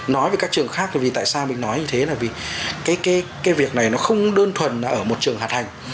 nói về các trường khác thì tại sao mình nói như thế là vì cái việc này nó không đơn thuần là ở một trường hạt hành